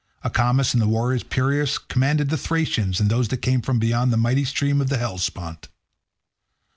Acamas and the warrior Peirous commanded the Thracians and those that came from beyond the mighty stream of the Hellespont.